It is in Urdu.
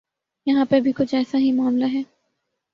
یہاں پہ بھی کچھ ایسا ہی معاملہ ہے۔